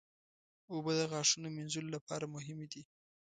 اوبه د غاښونو مینځلو لپاره مهمې دي.